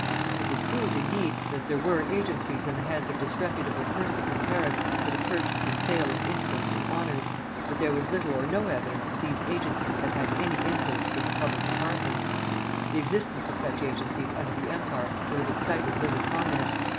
It was proved, indeed, that there were agencies in the hands of disreputable persons in Paris for the purchase and sale of influence and honors, but there was little or no evidence that these agencies had had any influence with the public departments. The existence of such agencies under the Empire would have excited little comment.